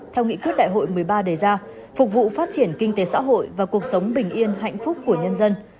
theo nghị quyết đại hội một mươi ba đề ra phục vụ phát triển kinh tế xã hội và cuộc sống bình yên hạnh phúc của nhân dân